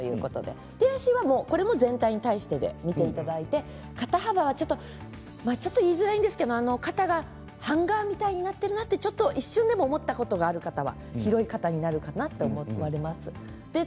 手足はこれも全体に対して見ていただいて肩幅がちょっと言いづらいんですけど肩がハンガーみたいになっているなと一瞬でも思ったことがある方は広い肩になるかなと思います。